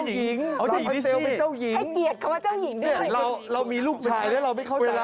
เขาเป็นเจ้าหญิงราปันเซลล์เป็นเจ้าหญิง